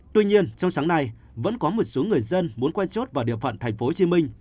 tuy nhiên trong sáng nay vẫn có một số người dân muốn quay chốt vào địa phận tp hcm